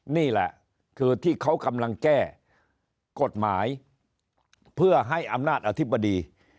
นี่แหละคือที่เขากำลังแก้กฎหมายเพื่อให้อำนาจอธิบดี